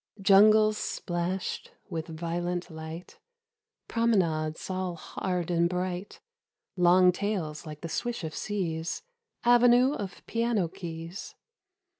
Jungles splashed with violent light, Promenades all hard and bright, Long tails like the swish of seas Avenue of piano keys.